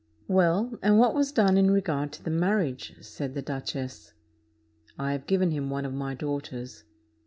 "Well, and what was done in regard to the marriage," said the duchess. "I have given him one of my daughters."